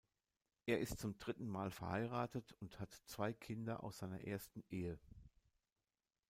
Er ist zum dritten Mal verheiratet und hat zwei Kinder aus seiner ersten Ehe.